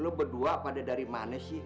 lo berdua pada dari mana sih